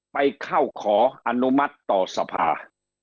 ไปเข้าขออนุมัติต่อสภา